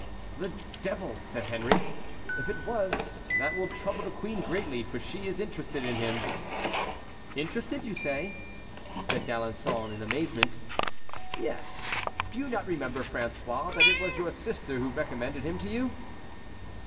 "The devil!" said Henry; "if it was, that will trouble the queen greatly, for she is interested in him." "Interested, you say?" said D'Alençon in amazement. "Yes. Do you not remember, François, that it was your sister who recommended him to you?"